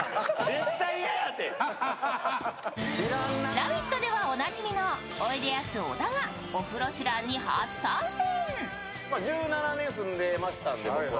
「ラヴィット！」ではおなじみのおいでやす小田が「オフロシュラン」に初参戦。